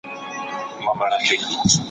قيمت به يې نه و ورکړی.